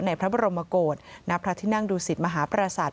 ในพระบรมกฏณพระที่นั่งดูสิทธิ์มหาปราศาสตร์